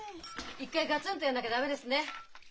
一回ガツンとやんなきゃ駄目ですね。